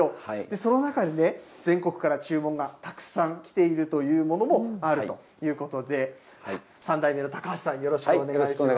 その中でね、全国から注文がたくさん来ているというものもあるということで、３代目の高橋さん、よろしくお願いします。